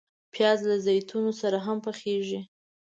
پیاز له زیتونو سره هم پخیږي